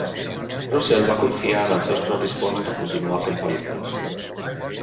Russell va confiar en els seus propis fons per continuar fent pel·lícules.